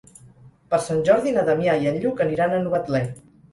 Per Sant Jordi na Damià i en Lluc aniran a Novetlè.